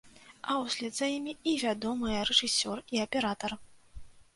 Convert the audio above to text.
А ў след за імі і вядомыя рэжысёр і аператар.